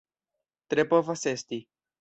Tre povas esti.